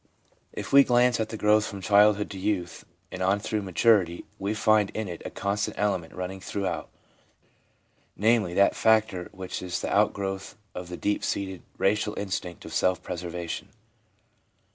If we glance at the growth from childhood to youth and on through maturity, we find in it a constant element running throughout, namely, that factor which is the outgrowth of the deep seated racial instinct of self preservation.